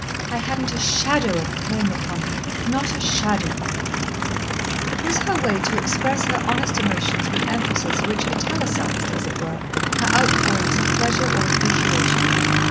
I hadn't a shadow of a claim upon her not a shadow." It was her way to express her honest emotions with emphasis which italicised, as it were, her outpourings of pleasure or appreciation.